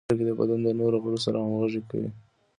• سترګې د بدن نورو غړو سره همغږي کوي.